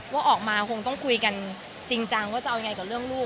ว่าออกมาคงต้องคุยกันจริงจังว่าจะเอายังไงกับเรื่องลูก